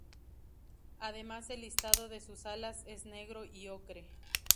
Además el listado de sus alas es negro y ocre.